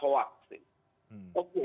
untuk mengelola hoax